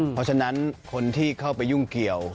เพราะฉะนั้นคนที่เข้าไปยุ่งเกี่ยว